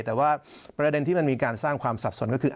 แต่ว่าประเด็นที่มันมีการสร้างความสับสนก็คือ